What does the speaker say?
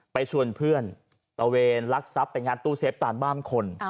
ไปชวนเพื่อนตะเวนรักษัพแต่งานตู้เสพต่านบ้ามคน